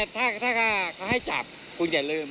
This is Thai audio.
ถ้าเขาให้จับคุณอย่าลืม